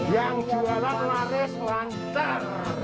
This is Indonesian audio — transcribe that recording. yang jualan laris lantar